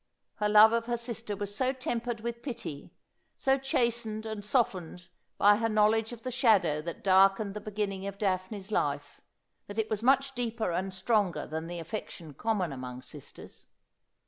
Her love of her sister was so tempered with pity, so chastened and softened by her knowledge of the shadow that darkened the beginning of Daphne's life, that it was much deeper and stronger than the affection common among sisters.